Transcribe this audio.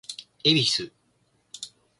恵比寿